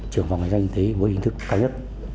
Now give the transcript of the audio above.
trưởng phòng hành doanh tế với ý thức cao nhất